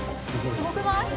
・すごくない？